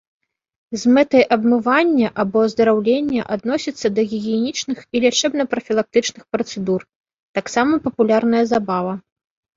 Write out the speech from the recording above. З мэтай абмывання або аздараўлення адносіцца да гігіенічных і лячэбна-прафілактычных працэдур, таксама папулярная забава.